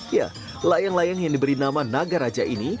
ya layang layang yang diberi nama naga raja ini